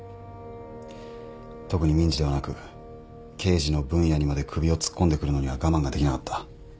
特に民事ではなく刑事の分野にまで首を突っ込んでくるのには我慢ができなかった。